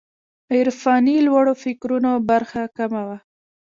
عرفاني لوړو فکرونو برخه کمه وه.